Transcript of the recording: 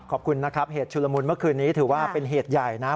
ขอบคุณนะครับเหตุชุลมุนเมื่อคืนนี้ถือว่าเป็นเหตุใหญ่นะ